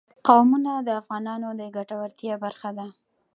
قومونه د افغانانو د ګټورتیا برخه ده.